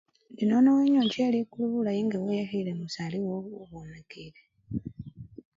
Indi nono kanoche likulu bulayi nga weyakhile musale wowo okhwonakile.